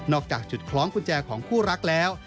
จากจุดคล้องกุญแจของคู่รักแล้ว